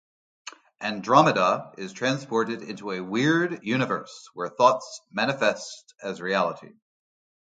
"Andromeda" is transported into a weird universe where thoughts manifest as reality.